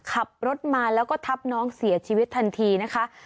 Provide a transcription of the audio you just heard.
ขับรถมาแล้วก็ทับน้องเสียชีวิตทันทีนะคะ